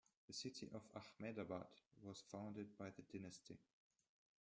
The city of Ahmedabad was founded by the dynasty.